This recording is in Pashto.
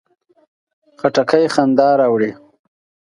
خټکی خندا راوړي.